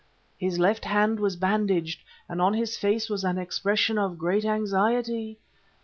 His left hand was bandaged, and on his face was an expression of great anxiety.